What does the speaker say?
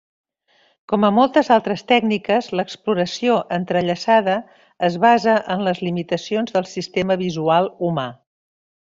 Com moltes altres tècniques, l'exploració entrellaçada es basa en les limitacions del sistema visual humà.